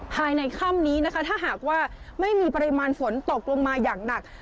ภายในค่ำนี้นะคะถ้าหากว่าไม่มีปริมาณฝนตกลงมาอย่างหนัก